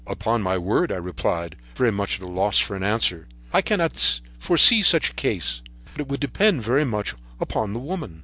"'Upon my word,' I replied, very much at a loss for an answer, 'I cannot foresee such a case; but it would depend very much upon the woman.'